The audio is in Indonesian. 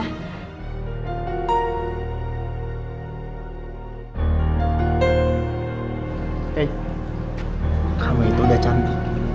hey kamu itu udah cantik